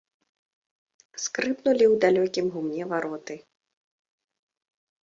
Скрыпнулі ў далёкім гумне вароты.